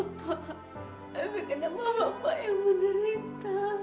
tapi kenapa bapak yang menderita